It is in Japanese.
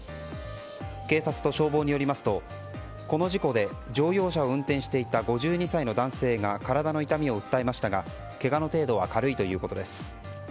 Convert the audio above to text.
警察と消防によりますとこの事故で乗用車を運転していた５２歳の男性が体の痛みを訴えましたがけがの程度は軽いということです。